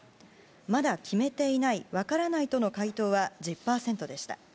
まだ決めていない分からないとの回答は１０％でした。